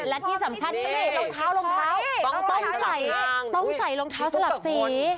และที่สำคัญนี่รองเท้ารองเท้าต้องใส่รองเท้าสลับสี